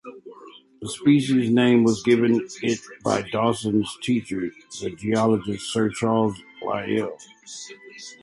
The species' name was given it by Dawson's teacher, the geologist Sir Charles Lyell.